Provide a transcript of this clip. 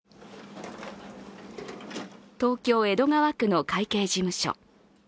東京・江戸川区の会計事務所。